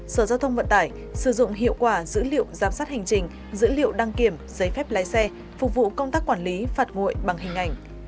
sở giao thông vận tải sử dụng hiệu quả dữ liệu giám sát hành trình dữ liệu đăng kiểm giấy phép lái xe phục vụ công tác quản lý phạt nguội bằng hình ảnh